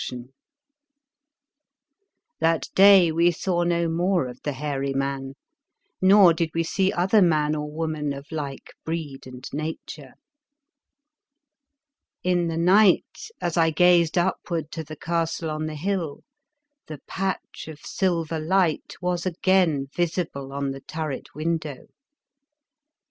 44 The Fearsome Island That day we saw no more of the hairy man, nor did we see other man or woman of like breed and nature. In the night, as I gazed upward to the castle on the hill, the patch of silver light was again visible on the turret window.